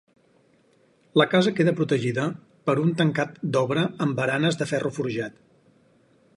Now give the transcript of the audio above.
La casa queda protegida per un tancat d'obra amb baranes de ferro forjat.